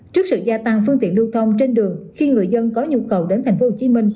trước sự gia tăng phương tiện lưu thông trên đường khi người dân có nhu cầu đến tp hcm